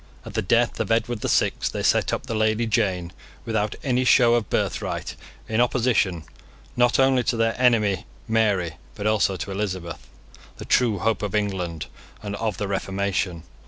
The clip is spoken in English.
At the death of Edward the Sixth they set up the Lady Jane, without any show of birthright, in opposition, not only to their enemy Mary, but also to Elizabeth, the true hope of England and of the Reformation.